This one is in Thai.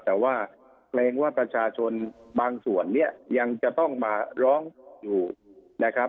แต่ว่าเกรงว่าประชาชนบางส่วนเนี่ยยังจะต้องมาร้องอยู่นะครับ